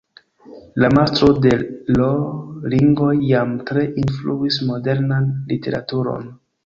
La Mastro de l' Ringoj jam tre influis modernan literaturon.